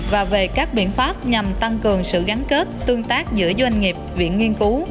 và về các biện pháp nhằm tăng cường sự gắn kết tương tác giữa doanh nghiệp viện nghiên cứu